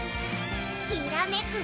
きらめく